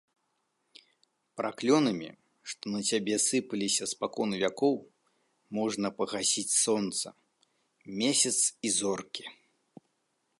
Праклёнамі, што на цябе сыпаліся спакон вякоў, можна пагасіць сонца, месяц і зоркі.